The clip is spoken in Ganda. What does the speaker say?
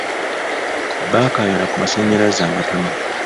Baakayana ku masanyalaze amatono.